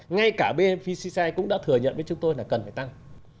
ngay cả bên pcci cũng đã thừa nhận với chúng tôi là cần phải tăng